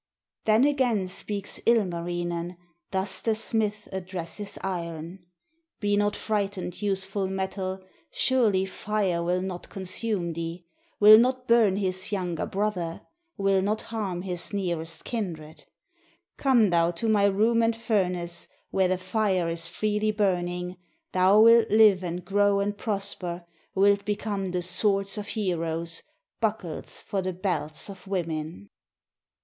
Then again speaks Ilmarinen, Thus the smith addresses Iron: "Be not frightened, useful metal. Surely Fire will not consume thee, Will not burn his younger brother, 8 STORY OF IRON AND THE POISON WATER Will not harm his nearest kindred. Come thou to my room and furnace, Where the fire is freely burning, Thou wilt live and grow and prosper. Wilt become the swords of heroes, Buckles for the belts of women."